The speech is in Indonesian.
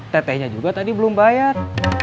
tetehnya juga tadi belum bayar